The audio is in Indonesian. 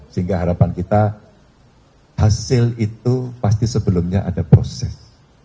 sehingga harapan kita hasil itu pasti sebelumnya ada proses